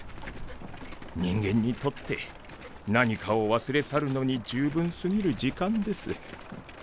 人間にとって何かを忘れ去るのに十分過ぎる時間です。